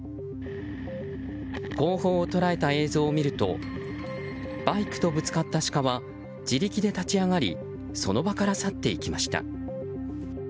後方を捉えた映像を見るとバイクとぶつかったシカは自力で立ち上がりその場から去っていきました。